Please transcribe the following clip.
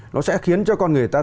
nó sẽ khiến cho con người ta